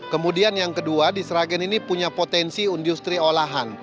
kemudian yang kedua di sragen ini punya potensi industri olahan